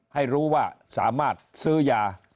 ให้รู้ว่าสามารถซื้อยา